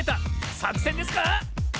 さくせんですか